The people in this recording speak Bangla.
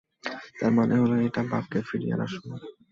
তার মানে হলো, এটাই বাককে ফিরিয়ে আনার সময়।